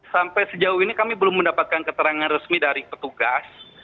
sampai sejauh ini kami belum mendapatkan keterangan resmi dari petugas